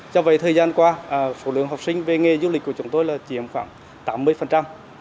do vậy thời gian qua số lượng học sinh về nghề du lịch của chúng tôi là chiếm khoảng tám mươi